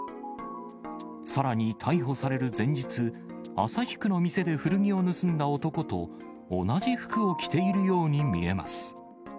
さらに、逮捕される前日、旭区の店で古着を盗んだ男と、同じ服を着ているように見えます。